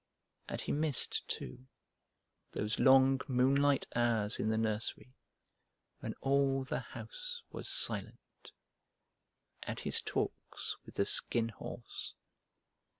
And he missed, too, those long moonlight hours in the nursery, when all the house was silent, and his talks with the Skin Horse.